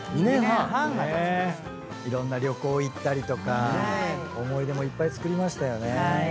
いろんな旅行行ったりとか思い出もいっぱいつくりましたよね。